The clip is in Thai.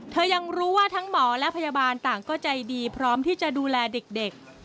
ยังรู้ว่าทั้งหมอและพยาบาลต่างก็ใจดีพร้อมที่จะดูแลเด็ก